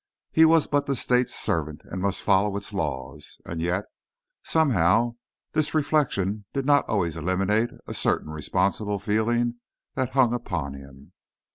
He was but the state's servant, and must follow its laws. And yet, somehow, this reflection did not always eliminate a certain responsible feeling that hung upon him.